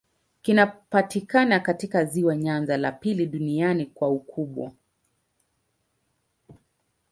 Kinapatikana katika ziwa Nyanza, la pili duniani kwa ukubwa.